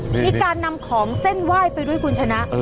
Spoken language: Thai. มีการนำของเส้นไหว้ไปด้วยคุณชนะ